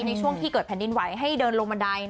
ในช่วงที่เกิดแผ่นดินไหวให้เดินลงบันได